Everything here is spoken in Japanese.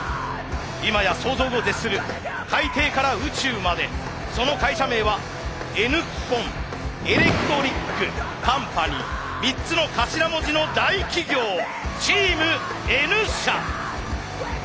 今や想像を絶する海底から宇宙までその会社名はＮッポンエレクトリックカンパニー３つの頭文字の大企業チームＮ社。